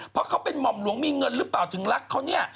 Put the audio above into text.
เพราะเขาเป็นหม่อมหลวงมีเงินหรือเปล่าถึงรักเขาเนี่ย